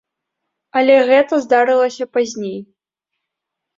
Але гэта здарылася пазней.